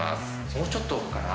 もうちょっとかな。